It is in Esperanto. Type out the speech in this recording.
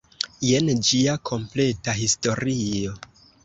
Jen ĝia kompleta historio.